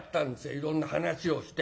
いろんな話をして。